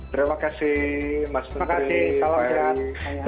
terima kasih mas menteri